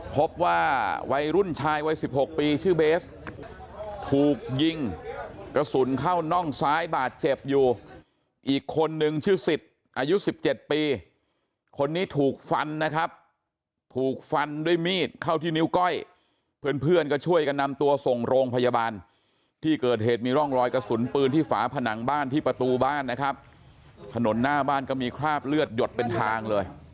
พบว่าวัยรุ่นชายวัย๑๖ปีชื่อเบสถูกยิงกระสุนเข้าน่องซ้ายบาดเจ็บอยู่อีกคนนึงชื่อสิทธิ์อายุ๑๗ปีคนนี้ถูกฟันนะครับถูกฟันด้วยมีดเข้าที่นิ้วก้อยเพื่อนเพื่อนก็ช่วยกันนำตัวส่งโรงพยาบาลที่เกิดเหตุมีร่องรอยกระสุนปืนที่ฝาผนังบ้านที่ประตูบ้านนะครับถนนหน้าบ้านก็มีคราบเลือดหยดเป็นทางเลย